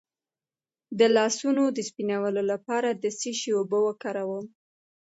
د لاسونو د سپینولو لپاره د څه شي اوبه وکاروم؟